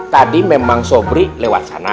tadi memang sobri lewat sana